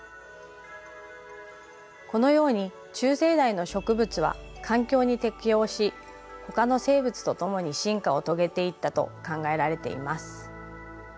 このように中生代の植物は環境に適応し他の生物と共に進化を遂げていったと考えられています。